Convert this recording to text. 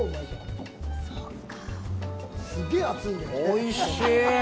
おいしい。